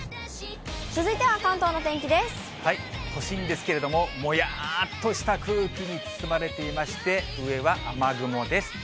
都心ですけれども、もやーっとした空気に包まれていまして、上は雨雲です。